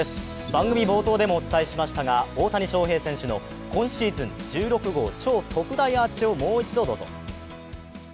番組冒頭でもお伝えしましたが、大谷翔平選手の今シーズン１６号超特大アーチをもう一度どうぞ。